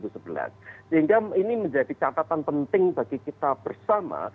sehingga ini menjadi catatan penting bagi kita bersama